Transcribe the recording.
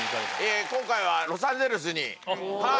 今回はロサンゼルスにはい。